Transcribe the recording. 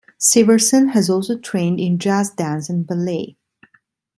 Siversen has also trained in jazz dance and ballet.